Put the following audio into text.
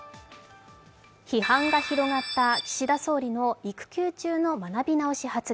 批判が広がった岸田総理の育休中の学び直し発言。